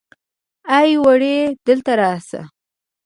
ای وړې دلته راشه.